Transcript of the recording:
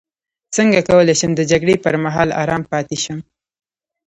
څنګه کولی شم د جګړې پر مهال ارام پاتې شم